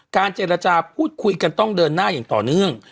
เจรจาพูดคุยกันต้องเดินหน้าอย่างต่อเนื่อง